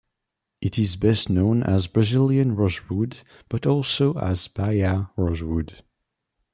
It is best known as Brazilian Rosewood, but also as Bahia rosewood.